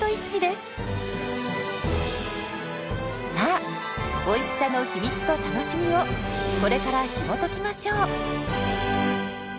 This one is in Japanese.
さあおいしさの秘密と楽しみをこれからひもときましょう！